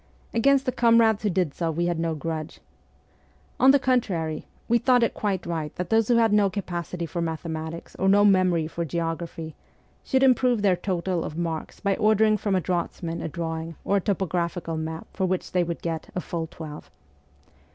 Against the comrades who did so we had no grudge. On the contrary, we thought it quite right that those who had no capacity for mathematics or no memory for geo graphy, should improve their total of marks by ordering from a draughtsman a drawing or a topographical map for which they would get ' a full twelve.'